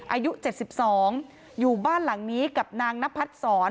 อายุเจ็ดสิบสองอยู่บ้านหลังนี้กับนางนพัดศร